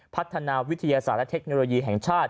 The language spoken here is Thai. พัฒนาวิทยาศาสตร์และเทคโนโลยีแห่งชาติ